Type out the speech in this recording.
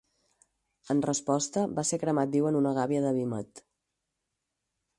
En resposta, va ser cremat viu en una gàbia de vímet.